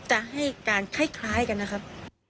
จะให้การคล้ายกันนะครับ